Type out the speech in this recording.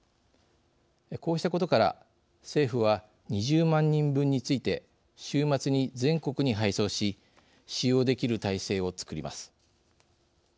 こうしたことから政府は２０万人分について週末に全国に配送し使用できる体制をつくります。